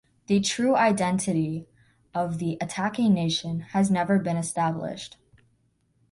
The true identity of the attacking nation has never been established.